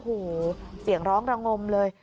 หูเสียงร้องระงมเลย